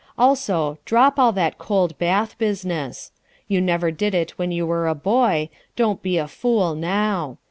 Also, drop all that cold bath business. You never did it when you were a boy. Don't be a fool now.